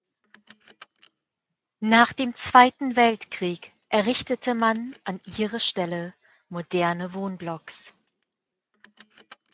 Nach dem Zweiten Weltkrieg errichtete man an ihre Stelle moderne Wohnblocks.